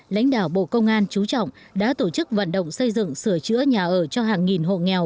lãnh đạo bộ công an chú trọng đã tổ chức vận động xây dựng sửa chữa nhà ở cho hàng nghìn hộ nghèo